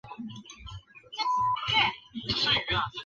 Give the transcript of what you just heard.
九条辅实在宽文九年的长子。